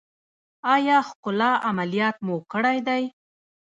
ایا ښکلا عملیات مو کړی دی؟